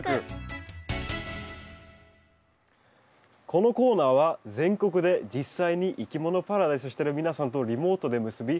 このコーナーは全国で実際にいきものパラダイスしてる皆さんとリモートで結び